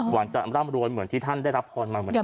หวังจะร่ำรวยเหมือนที่ท่านได้รับพรมาเหมือนกัน